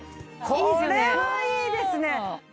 これはいいですね！